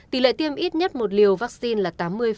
tỷ lệ tiêm ít nhất một liều vaccine là tám mươi